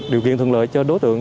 điều kiện thuận lợi cho đối tượng